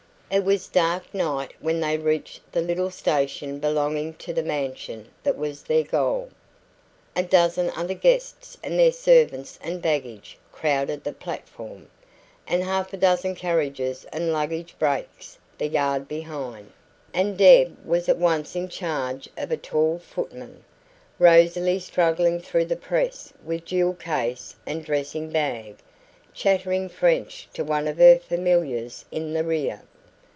It was dark night when they reached the little station belonging to the mansion that was their goal. A dozen other guests and their servants and baggage crowded the platform, and half a dozen carriages and luggage brakes the yard behind; and Deb was at once in charge of a tall footman, Rosalie struggling through the press with jewel case and dressing bag, chattering French to one of her familiars in the rear.